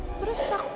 itu terus berusak